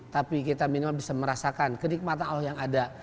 tapi kita minimal bisa merasakan kenikmatan allah yang ada